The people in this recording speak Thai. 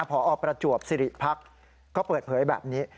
พ่ออประจวบศิริภักดิ์เขาก็เปิดเผยแบบนี้